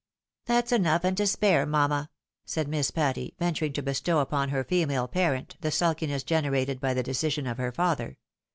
That's enough, and to spare, mamma," said Miss Patty, venturing to bestow upon her female parent the sulkiness gene rated by the decision of her father.